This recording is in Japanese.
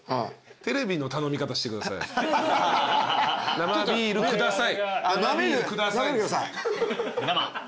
生ビール下さい。